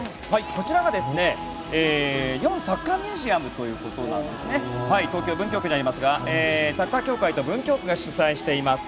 こちらが日本サッカーミュージアムということで東京・文京区にありますがサッカー協会と文京区が主催しています